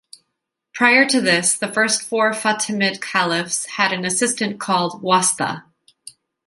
Prior to this, the first four Fatimid caliphs had an assistant called "wasta".